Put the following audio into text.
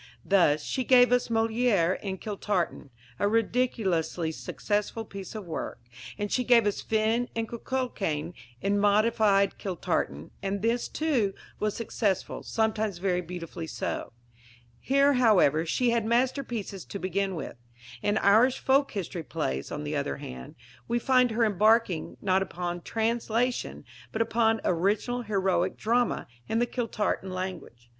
Thus, she gave us Molière in Kiltartan a ridiculously successful piece of work and she gave us Finn and Cuchullain in modified Kiltartan, and this, too, was successful, sometimes very beautifully so. Here, however, she had masterpieces to begin with. In Irish Folk History Plays, on the other hand, we find her embarking, not upon translation, but upon original heroic drama, in the Kiltartan language.